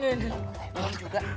eh berang juga